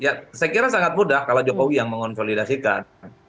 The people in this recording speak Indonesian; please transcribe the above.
ya saya kira sangat mudah kalau jokowi yang mengonsolidasikan